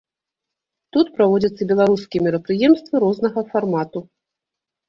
Тут праводзяцца беларускія мерапрыемствы рознага фармату.